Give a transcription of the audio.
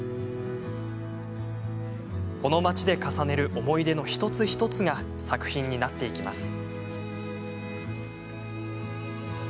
この町で重ねる思い出の一つ一つが作品になっていきます。